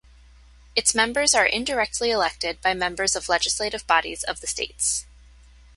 Its members are indirectly elected by members of legislative bodies of the states.